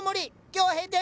今日は閉店！